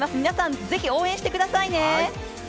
皆さん、是非応援してくださいね！